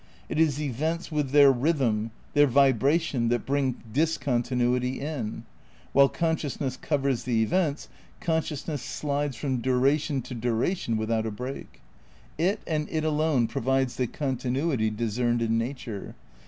It is events with their rhythm, their vibra tion that bring discontinuity in, while consciousness covers the events, consciousness slides from duration to duration without a break. It and it alone provides the continuity discerned in nature.